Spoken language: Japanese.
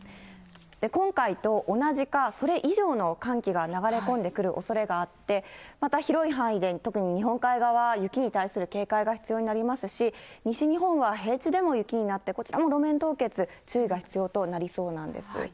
今回と同じか、それ以上の寒気が流れ込んでくるおそれがあって、また広い範囲で特に日本海側、雪に対する警戒が必要になりますし、西日本は平地でも雪になって、こちらも路面凍結、注意が必要となりそうなんです。